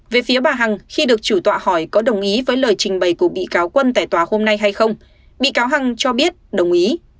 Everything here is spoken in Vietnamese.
về phía bà hằng khi được chủ tọa hỏi có đồng ý với lời trình bày của bị cáo quân tại tòa hôm nay hay không bị cáo hằng cho biết đồng ý